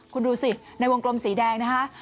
คุณดูสิในวงกลมสีแดงนะคะ